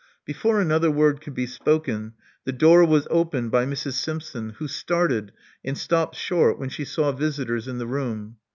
Before another word could be spoken the door was opened by Mrs. Simpson, who started and stopped short when she saw visitors in the room.